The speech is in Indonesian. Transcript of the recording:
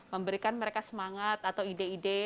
memberikan mereka semangat atau ide ide